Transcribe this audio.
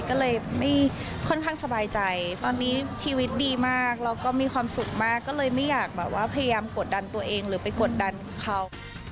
ก็เลยไม่ค่อนข้างสบายใจตอนนี้ชีวิตดีมากแล้วก็มีความสุขมากก็เลยไม่อยากแบบว่าพยายามกดดันตัวเองหรือไปกดดันเขา